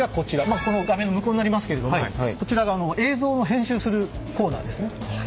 まあこの画面の向こうになりますけれどもこちらが映像を編集するコーナーですね。